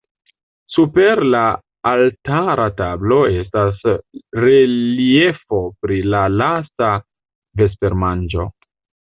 Super la altara tablo estas reliefo pri la Lasta vespermanĝo.